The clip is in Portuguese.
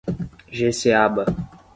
Jeceaba